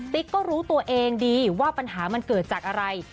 ก็รู้ตัวเองดีว่าปัญหามันเกิดจากอะไร